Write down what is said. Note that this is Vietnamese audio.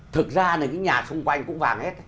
thực ra là cái nhà xung quanh cũng vàng hết